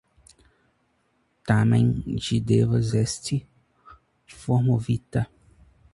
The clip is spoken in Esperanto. Tamen ĝi devas esti formovita.